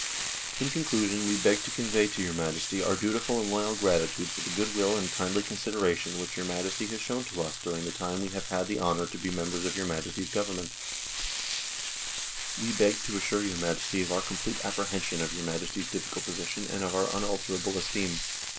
"In conclusion, we beg to convey to your Majesty our dutiful and loyal gratitude for the good will and kindly consideration which your Majesty has shown to us during the time we have had the honour to be members of your Majesty's Government. THE DISSOLUTION OF THE UNION 111 " We beg to assure your Majesty of our complete apprehension of your Majesty's difficult position and of our unalterable esteem.